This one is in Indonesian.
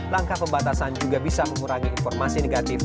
langkah pembatasan juga bisa mengurangi informasi negatif